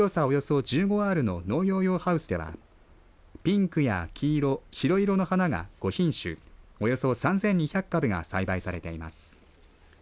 およそ１５アールの農業用ハウスではピンクや黄色白色の花が５品種およそ３２００株が栽培されています。